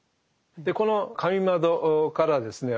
でこの神窓からですね